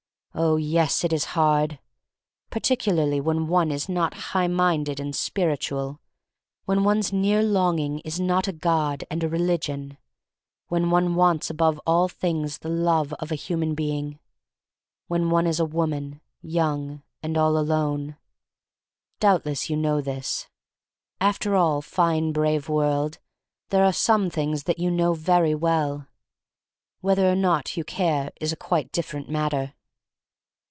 Oh, yes, it is hard! Particularly when one is not high minded and spiritual, when one's near longing is not a God and a religion, when one wants above all things the love of a human being — when one is a woman, young and all alone. Doubtless you know this. After all, fine brave world, there are some things that you know very well. Whether or not you care is a quite different matter.